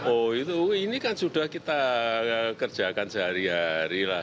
oh itu ini kan sudah kita kerjakan sehari harilah